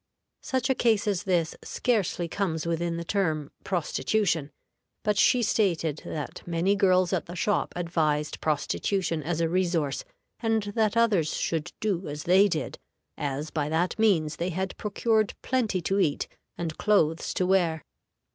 Such a case as this scarcely comes within the term prostitution, but she stated that many girls at the shop advised prostitution as a resource, and that others should do as they did, as by that means they had procured plenty to eat and clothes to wear.